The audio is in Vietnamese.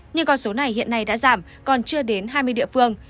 nhưng con số này hiện nay đã giảm còn chưa đến hai mươi địa phương